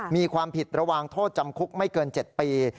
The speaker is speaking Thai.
มีความผิดระหว่างโทษจำคุกไม่เกิน๗ปี